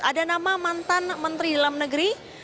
ada nama mantan menteri dalam negeri